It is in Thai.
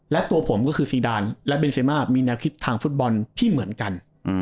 และตัวผมก็คือซีดานและเบนเซมามีแนวคิดทางฟุตบอลที่เหมือนกัน